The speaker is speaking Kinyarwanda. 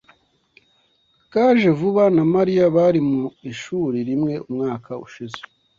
Kajevuba na Mariya bari mu ishuri rimwe umwaka ushize.